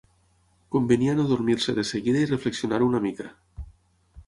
Convenia no dormir-se de seguida i reflexionar-ho una mica.